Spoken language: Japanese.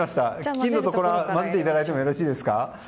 金の粉、混ぜていただいてもよろしいですか？